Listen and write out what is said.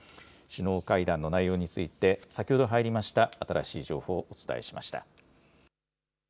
首脳会談の内容について、先ほど入りました新しい情報をお伝えしました。